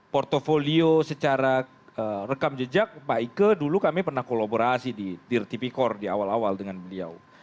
portfolio secara rekam jejak pak ike dulu kami pernah kolaborasi di tir tipikor di awal awal dengan beliau